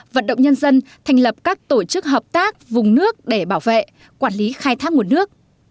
vận động nhân dân thành lập các tổ chức hợp tác vùng nước để bảo vệ quản lý khai thác nguồn nước